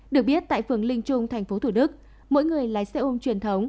được biết tại phường linh trung tp thủ đức mỗi người lái xe ôm truyền thống